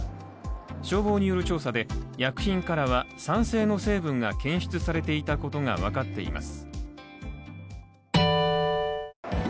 消防による調査で、薬品からは酸性の成分が検出されていたことが分かっています。